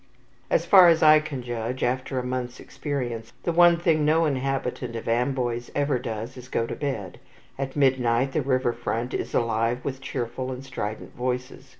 As far as I can judge, after a month's experience, the one thing no inhabitant of Amboise ever does is to go to bed. At midnight the river front is alive with cheerful and strident voices.